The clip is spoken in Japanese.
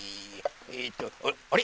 えっとあっあれ？